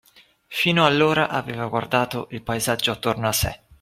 Fino allora aveva guardato il paesaggio attorno a sé